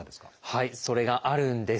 はいそれがあるんです。